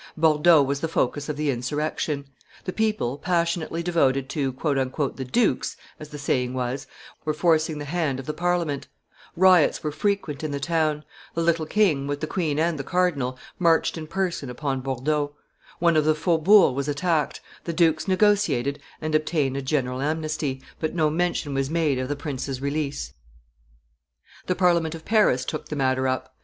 Bordeaux was the focus of the insurrection; the people, passionately devoted to "the dukes," as the saying was, were forcing the hand of the Parliament; riots were frequent in the town; the little king, with the queen and the cardinal, marched in person upon Bordeaux; one of the faubourgs was attacked, the dukes negotiated and obtained a general amnesty, but no mention was made of the princes' release. The Parliament of Paris took the matter up.